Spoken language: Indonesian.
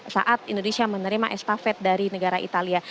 saat indonesia menerima estafet dari negara italia